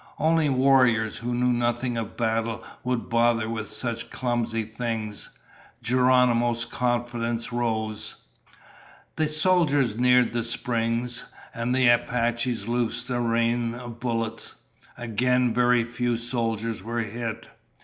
Only warriors who knew nothing of battle would bother with such clumsy things. Geronimo's confidence rose. The soldiers neared the springs, and the Apaches loosed a rain of bullets. Again, very few soldiers were hit.